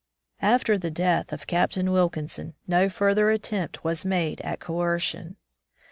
After the death of Captain Wilkinson, no further attempt was made at coercion.